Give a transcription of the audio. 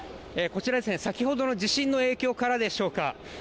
こちら先ほどの地震の影響からでしょうか